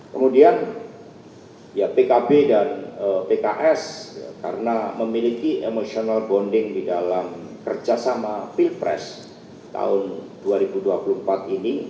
kemudian ya pkb dan pks karena memiliki emotional bonding di dalam kerjasama pilpres tahun dua ribu dua puluh empat ini